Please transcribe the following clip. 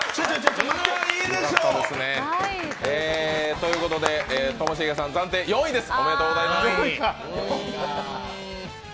ということでともしげさん、暫定４位です。